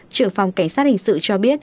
trưởng phòng cảnh sát hình sự cho biết